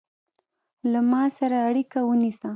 له ما سره اړیکه ونیسه